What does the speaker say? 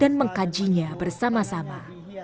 dan mengkajinya bersama sama